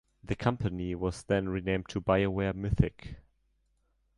The company was then renamed to BioWare Mythic.